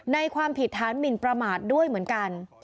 ความผิดฐานหมินประมาทด้วยเหมือนกัน